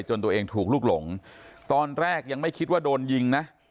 ตัวเองถูกลูกหลงตอนแรกยังไม่คิดว่าโดนยิงนะ